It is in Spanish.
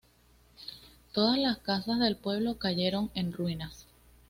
Todas las casas del pueblo cayeron en ruinas.